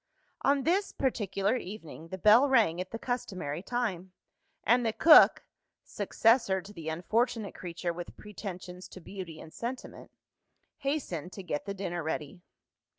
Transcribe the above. On this particular evening, the bell rang at the customary time and the cook (successor to the unfortunate creature with pretensions to beauty and sentiment) hastened to get the dinner ready.